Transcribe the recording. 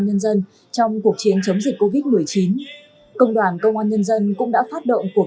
nhân dân trong cuộc chiến chống dịch covid một mươi chín công đoàn công an nhân dân cũng đã phát động cuộc